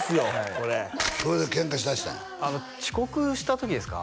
これこれでケンカしだしたんや遅刻した時ですか？